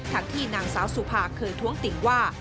ที่นางสาวสุภาเคยท้วงติ่งว่า